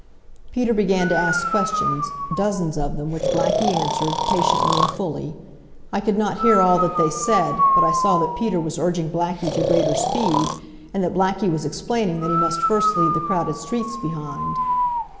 Peter began to ask questions dozens of them, which Blackie answered, patiently and fully. I could not hear all that they said, but I saw that Peter was urging Blackie to greater speed, and that Blackie was explaining that he must first leave the crowded streets behind.